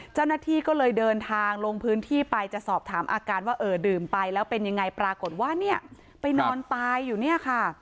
เจ้าหน้าที่ก็เลยเดินทางลงพื้นที่ไปจะสอบถามอาการว่าเออดื่มไปแล้วเป็นยังไงปรากฏว่าเนี่ยไปนอนตายอยู่เนี่ยค่ะ